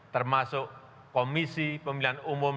termasuk komisi pemilihan umum